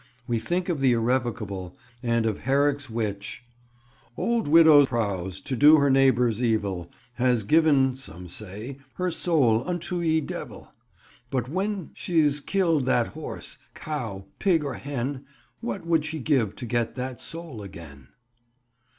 We think of the irrevocable, and of Herrick's witch— "Old Widow Prowse, to do her neighbours evil, Has given, some say, her soul unto ye Devill; But when sh'as killed that horse, cow, pig, or hen, What would she give to get that soul again?"